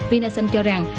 vinasun cho rằng